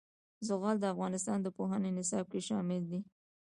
زغال د افغانستان د پوهنې نصاب کې شامل دي.